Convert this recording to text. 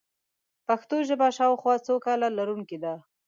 پښتو ژبه شاوخوا څو کاله لرونکې ده.